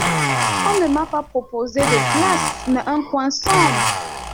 On ne m’a pas proposé de place mais un coin sombre.